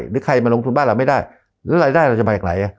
หรือใครมาลงทุนบ้านเราไม่ได้แล้วรายได้เราจะมาจากไหน